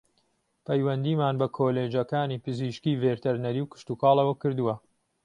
پهیوهندیمان به کۆلێجهکانی پزیشکیی ڤێتهرنهری و کشتوکاڵهوه کردووه